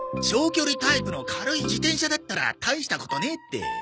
長距離タイプの軽い自転車だったら大したことねえって！